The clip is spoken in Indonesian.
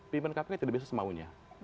pimpinan kpk tidak bisa semaunya